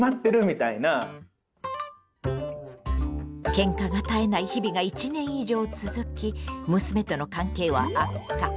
ケンカが絶えない日々が１年以上続き娘との関係は悪化。